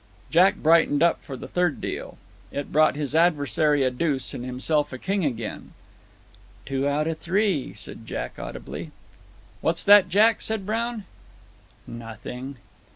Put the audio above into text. Jack brightened up for the third deal. It brought his adversary a deuce, and himself a king again. "Two out of three," said Jack, audibly. "What's that, Jack?" said Brown. "Nothing."